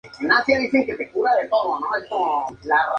Se diseñó específicamente para albergar partidos de fútbol.